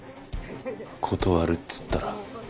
断るっつったら？